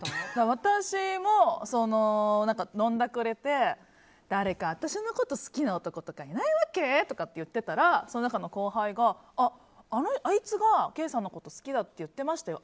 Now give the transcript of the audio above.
私も飲んだくれて誰か私のこと好きな男とかいないわけ？とかって言ってたらその中の後輩があいつがケイさんのこと好きだって言ってましたよ